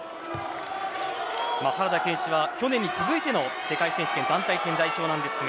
原田健士は去年に続いての世界選手権団体戦代表です。